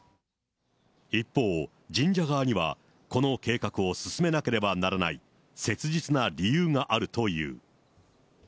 一方、神社側には、この計画を進めなければならない切実な理由があるという。